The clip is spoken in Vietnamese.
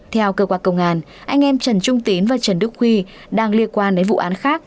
theo cơ quan công an anh em trần trung tín và trần đức huy đang liên quan đến vụ án khác